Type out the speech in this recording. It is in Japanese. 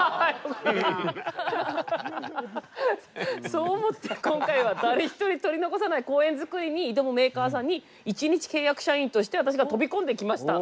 そう思って今回は誰ひとり取り残さない公園造りに挑むメーカーさんに１日契約社員として私が飛び込んできました。